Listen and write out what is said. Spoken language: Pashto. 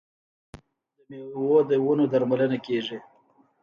د میوو د ونو درملنه کیږي.